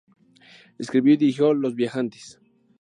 Escribió y dirigió "Las viajantes".